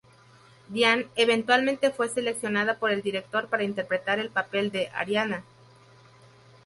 Diane eventualmente fue seleccionada por el director para interpretar el papel de Arianna.